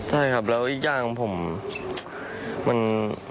ใช่ครับแล้วอีกอย่างของผมมัน